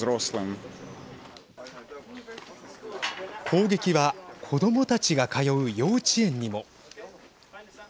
攻撃は子どもたちが通う幼稚園にも。